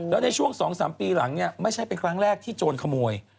แล้วในช่วง๒๓ปีหลังเนี่ยไม่ใช่เป็นครั้งแรกที่โจรขโมย